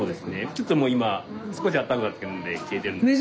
ちょっともう今少しあったかくなってきたんで消えてるんですけど。